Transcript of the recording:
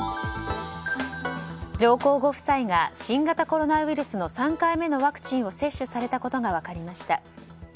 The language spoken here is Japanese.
上皇ご夫妻が新型コロナウイルスの３回目のワクチンを接種されたことが分かりました。